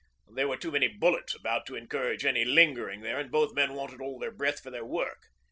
There were too many bullets about to encourage any lingering there, and both men wanted all their breath for their work.